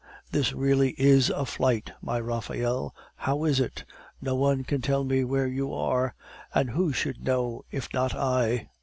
This really is a flight, my Raphael. How is it? No one can tell me where you are. And who should know if not I?"